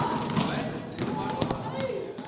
สุดท้ายสุดท้ายสุดท้าย